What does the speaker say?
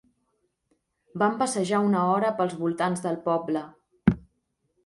Vam passejar una hora pels voltants del poble.